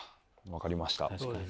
分かりました。